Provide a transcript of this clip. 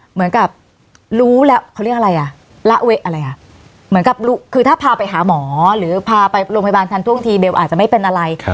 เหมือนกับรู้แล้วเขาเรียกอะไรอ่ะละเวะอะไรอ่ะเหมือนกับคือถ้าพาไปหาหมอหรือพาไปโรงพยาบาลทันท่วงทีเบลอาจจะไม่เป็นอะไร